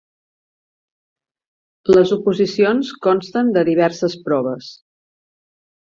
Les oposicions consten de diverses proves.